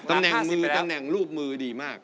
ตำแหน่งมีตำแหน่งรูปมือดีมาก